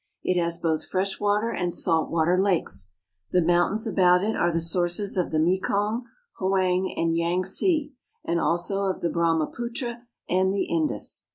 It has both fresh water and salt water lakes. The moun tains about it are the sources of the Mekong, Hoang, and Yangtze, and also of the Brahmaputra and the Indus.